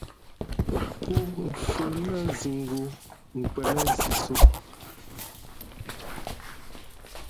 Pó mfhʉ̄ nά nzîngū nkwēn nά nzîsō .